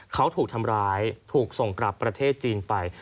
เขาถูกทำร้ายถูกส่งกลับประเทศจีนไป